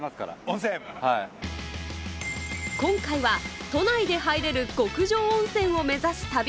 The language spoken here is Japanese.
今回は都内で入れる極上温泉を目指す旅。